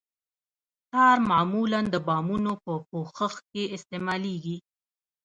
ټار معمولاً د بامونو په پوښښ کې استعمالیږي